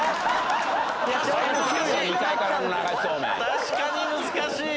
確かに難しい！